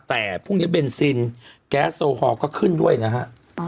แต่พรุ่งนี้เบนซินแก๊สโอฮอลก็ขึ้นด้วยนะฮะ